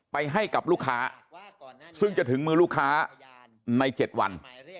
ไปให้กับลูกค้าซึ่งจะถึงมือลูกค้าใน๗วัน